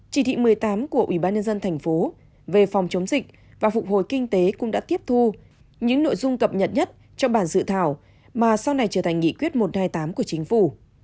chỉ thị một mươi tám của ủy ban nhân dân thành phố về phòng chống dịch và phục hồi kinh tế cũng đã tiếp thu những nội dung cập nhật nhất trong bản dự thảo mà sau này trở thành nghị quyết một trăm hai mươi tám của chính phủ